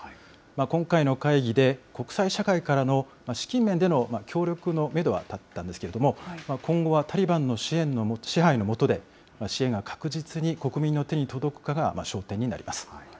今回の会議で、国際社会からの資金面での協力のメドは立ったんですけれども、今後はタリバンの支配の下で、支援が確実に国民の手に届くかが焦点になります。